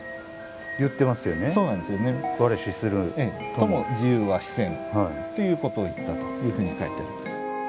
「とも自由は死せん」っていうことを言ったというふうに書いてある。